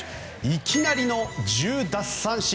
いきなりの１０奪三振。